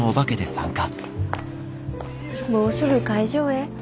もうすぐ開場え。